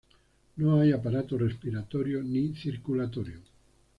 No hay aparato respiratorio ni circulatorio.